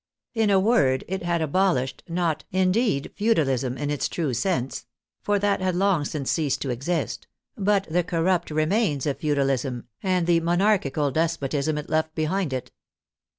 In a word, it had abolished, not, indeed, feudalism in its true sense — for that had long since ceased to exist — but the corrupt remains of feudalism and the monarchical despotism it left behind it.